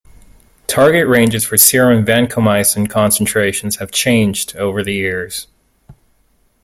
Target ranges for serum vancomycin concentrations have changed over the years.